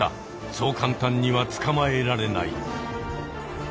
そう簡単にはつかまえられない。